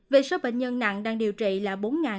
về số bệnh nhân nặng đang điều trị là bốn ba trăm linh